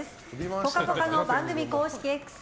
「ぽかぽか」の番組公式Ｘ